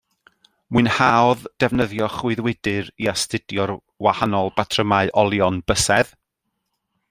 Mwynhaodd defnyddio chwyddwydr i astudio'r wahanol batrymau olion bysedd